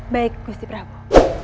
baik gusti prabu